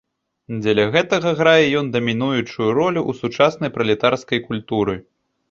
Дзеля гэтага грае ён дамінуючую ролю ў сучаснай пралетарскай культуры.